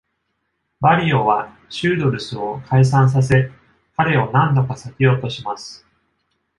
バリオはシュードルスを解散させ、彼を何度か避けようとします。